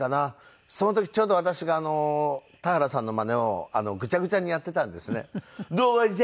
その時ちょうど私が田原さんのマネをぐちゃぐちゃにやっていたんですね。